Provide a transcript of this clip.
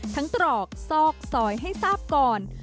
ตรอกซอกซอยให้ทราบก่อน